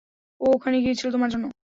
ও ওখানে গিয়েছিল তোমার জন্য।